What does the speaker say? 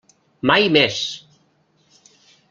Mai més!